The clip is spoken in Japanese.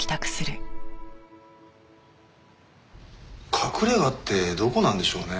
隠れ家ってどこなんでしょうね？